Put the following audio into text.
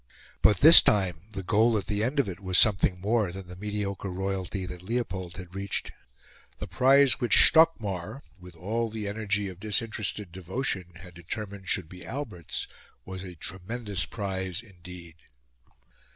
But, this time, the goal at the end of it was something more than the mediocre royalty that Leopold had reached. The prize which Stockmar, with all the energy of disinterested devotion, had determined should be Albert's was a tremendous prize indeed.